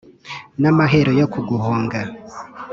N' amahero yo kuguhonga.